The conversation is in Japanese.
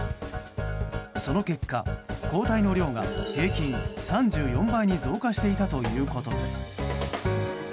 その結果、抗体の量が平均３４倍に増加していたということです。